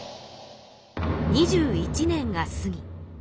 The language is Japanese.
２１年が過ぎ。